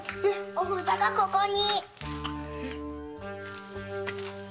お札がここに。